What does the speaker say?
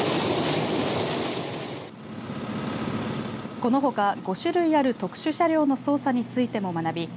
このほか５種類ある特殊車両の操作についても学び